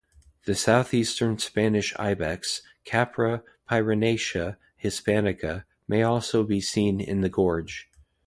The Southeastern Spanish ibex ("Capra pyrenaica hispanica") may also be seen in the gorge.